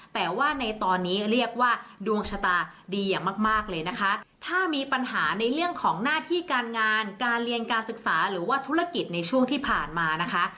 แต่ว่าในตอนนี้เรียกว่าดวงชะตาดีอย่างมากเลยนะคะถ้ามีปัญหาในเรื่องของหน้าที่การงานการเรียนการศึกษาหรือว่าธุรกิจในช่วงที่ผ่านมานะคะ